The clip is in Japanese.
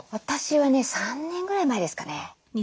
私はね３年ぐらい前ですかね。